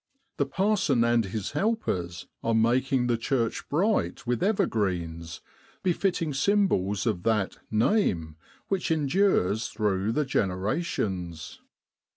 The parson and his helpers are ma king the church bright with ever greens, befitting symbols of that Name which endures through the generations.